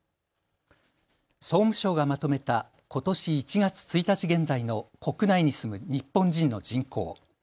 総務省がまとめたことし１月１日現在の国内に住む日本人の人口。